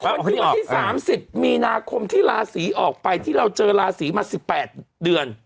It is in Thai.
คนที่ออกคนที่ออกที่สามสิบมีนาคมที่ลาสีออกไปที่เราเจอลาสีมาสิบแปดเดือน